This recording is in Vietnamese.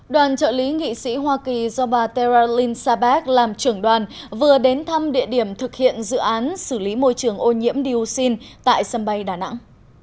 đoàn trợ lý nghị sĩ hoa kỳ do bà tara lynn sabak làm trưởng đoàn vừa đến thăm địa điểm thực hiện dự án xử lý môi trường ô nhiễm dioxin tại sân bay đà nẵng